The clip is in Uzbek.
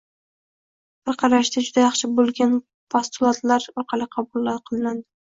bir qarashda juda yaxshi bo‘lgan postulatlar orqali quriladi.